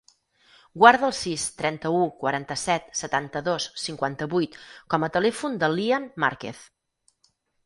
Guarda el sis, trenta-u, quaranta-set, setanta-dos, cinquanta-vuit com a telèfon de l'Ian Marquez.